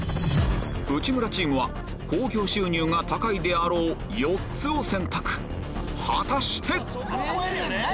内村チームは興行収入が高いであろう４つを選択果たして⁉何？